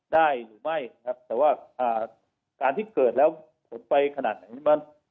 ได้หรือไม่นะครับแต่ว่าการที่เกิดแล้วผลไปขนาดไหน